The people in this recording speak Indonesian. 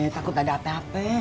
takut ada ape ape